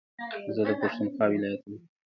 زه دا پښتونخوا ولايت يم